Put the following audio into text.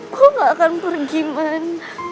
gue gak akan pergi man